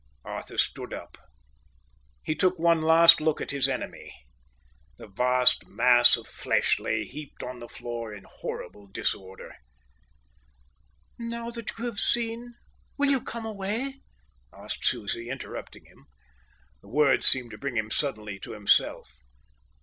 Arthur stood up. He took one last look at his enemy. That vast mass of flesh lay heaped up on the floor in horrible disorder. "Now that you have seen, will you come away?" said Susie, interrupting him. The words seemed to bring him suddenly to himself.